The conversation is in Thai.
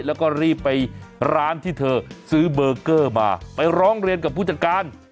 แล้วก็รีบไปร้านที่เธอซื้อเบอร์เกอร์มาไปร้องเรียนกับผู้จัดการ